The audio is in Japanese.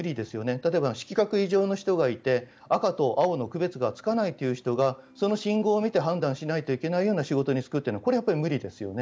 例えば、色覚異常の方がいて青と赤の区別がつかないという人がその信号を見て判断しなきゃいけない仕事に就くというのはこれは無理ですよね。